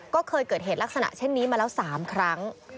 ก็เคยเกิดเหตุลักษณะเช่นนี้มาแล้ว๓ครั้ง